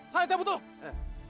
saya cabut tuh